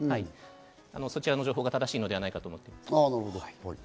そちらの情報が正しいのではないかと思います。